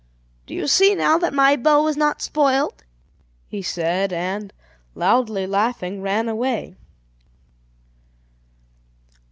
"Do you see now that my bow was not spoilt?" he said, and, loudly laughing, ran away.